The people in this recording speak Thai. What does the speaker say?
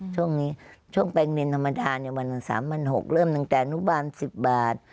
ช่วงนี้ช่วงแปลงเนินธรรมดาวัน๓๖๐๐เริ่มตั้งแต่อนุบาล๑๐บาท